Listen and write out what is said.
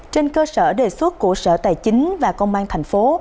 trên cơ sở đề xuất của sở tài chính và công an thành phố